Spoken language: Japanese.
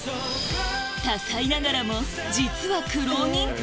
多才ながらも実は苦労人？